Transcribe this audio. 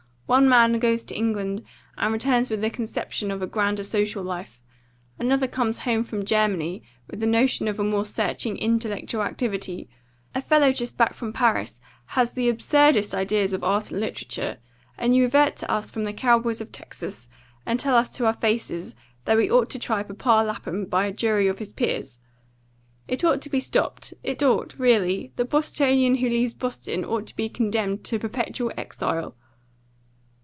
One man goes to England, and returns with the conception of a grander social life; another comes home from Germany with the notion of a more searching intellectual activity; a fellow just back from Paris has the absurdest ideas of art and literature; and you revert to us from the cowboys of Texas, and tell us to our faces that we ought to try Papa Lapham by a jury of his peers. It ought to be stopped it ought, really. The Bostonian who leaves Boston ought to be condemned to perpetual exile."